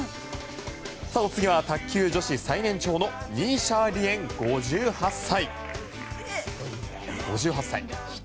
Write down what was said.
お次は、卓球女子最年長のニー・シャー・リエン、５８歳。